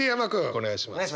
お願いします。